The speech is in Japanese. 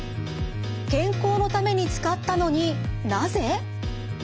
健康のために使ったのになぜ？